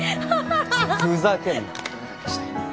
ふざけんな！